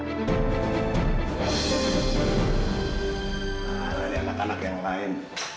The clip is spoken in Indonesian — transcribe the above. nah ini anak anak yang lain